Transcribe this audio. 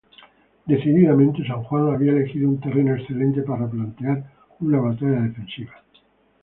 Decididamente San Juan había elegido un terreno excelente para plantear una batalla defensiva.